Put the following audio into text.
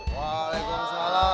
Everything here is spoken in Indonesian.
wah ini sah ya